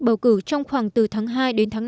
bầu cử trong khoảng từ tháng hai đến tháng năm